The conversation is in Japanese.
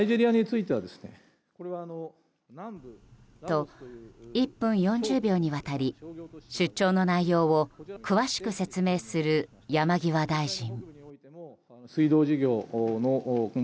と、１分４０秒にわたり出張の内容を詳しく説明する山際大臣。